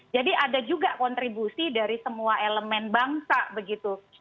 jadi ada juga kontribusi dari semua elemen bangsa begitu